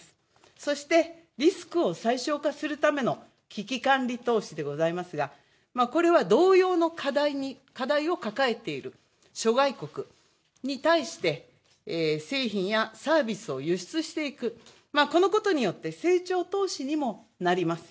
そして、リスクを最小化するための危機管理投資でございますがこれは同様の課題を抱えている諸外国に対して製品やサービスを輸出していくこのことによって成長投資にもなります。